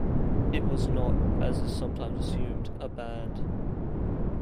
It was not, as is sometimes assumed, a band.